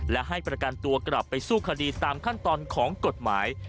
และให้ประกันตัวกลับไปสู้คดีตามขั้นตอนของกฎหมาย